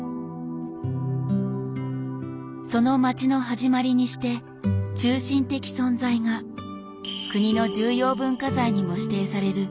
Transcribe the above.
その街の始まりにして中心的存在が国の重要文化財にも指定される